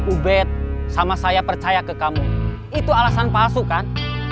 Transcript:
ubed sama saya percaya ke kamu itu alasan palsu kan